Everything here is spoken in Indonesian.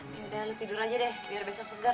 ya udah lu tidur aja deh biar besok segar